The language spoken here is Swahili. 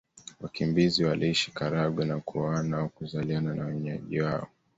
Wakimbizi waliishi Karagwe na kuoana au kuzaliana na wenyeji wao